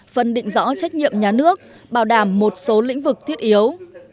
phân định rõ trách nhiệm nhà nước bảo đảm một số lĩnh vực thiết yếu